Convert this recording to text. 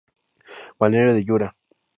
Balneario de Yura